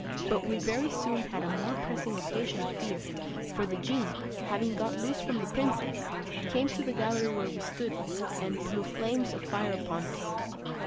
But we very soon had a more pressing occasion of fear, for the genie having got loose from the princess, came to the gallery where we stood, and blew flames of fire upon us.